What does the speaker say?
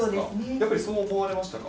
やっぱりそう思われましたか？